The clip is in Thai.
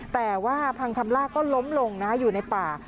แต่ว่าพังคำล่าก็ล้มลงอยู่ในป่า